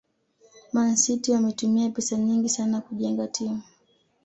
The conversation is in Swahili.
Man City wametumia pesa nyingi sana kujenga timu